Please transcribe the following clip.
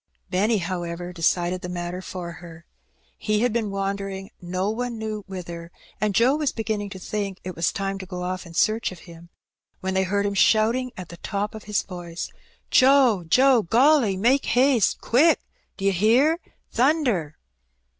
Benny, however, decided the matter for her. He had been wandering no one knew whither, and Joe was begin ning to think that it was time to go off in search of him, when they heard him shouting at the top of his voice — *^Joe, Joe! Golly! Make haste — quick, d'ye hear? Thunder